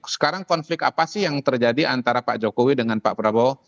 sekarang konflik apa sih yang terjadi antara pak jokowi dengan pak prabowo